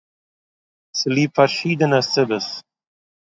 צוליב פאַרשידענע סיבות